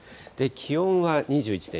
気温は２１．４度。